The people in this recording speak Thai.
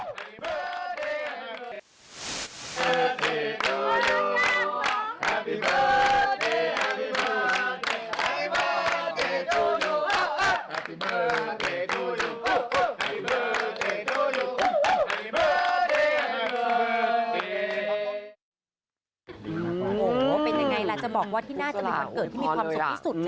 โอ้โหเป็นยังไงล่ะจะบอกว่าที่น่าจะเป็นวันเกิดที่มีความสุขที่สุด